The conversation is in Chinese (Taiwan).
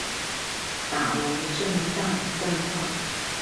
打了這麼大一段話